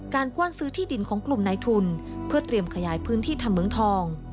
กว้านซื้อที่ดินของกลุ่มนายทุนเพื่อเตรียมขยายพื้นที่ทำเหมืองทอง